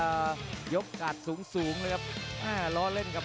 ประโยชน์ทอตอร์จานแสนชัยกับยานิลลาลีนี่ครับ